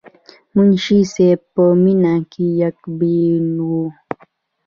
منشي صېب پۀ مينه کښې يک بين وو،